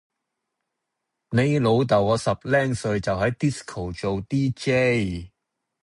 你老豆我十零歲就喺 disco 做 dj